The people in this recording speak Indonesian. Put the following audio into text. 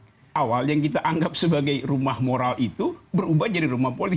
jadi awal yang kita anggap sebagai rumah moral itu berubah jadi rumah politik